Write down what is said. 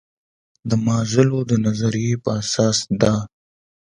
د مازلو د نظریې پر اساس ده.